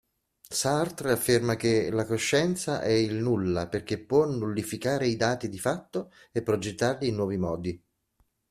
Sartre afferma che "la coscienza è il nulla" perché può nullificare i dati di fatto e progettarli in nuovi modi.